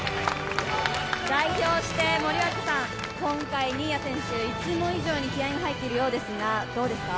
代表して、森脇さん、今回、新谷選手いつも以上に気合いが入っているようですが、どうですか？